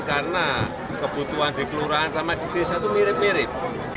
karena kebutuhan di kelurahan sama di desa itu mirip mirip